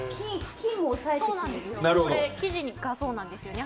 生地がそうなんですよね。